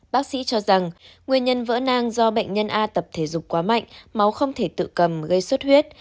bác sĩ cho rằng nguyên nhân vỡ nang do bệnh nhân a tập thể dục quá mạnh máu không thể tự cầm gây xuất huyết